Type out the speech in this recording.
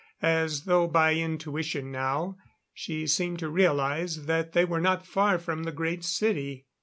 As though by intuition now, she seemed to realize that they were not far from the Great City.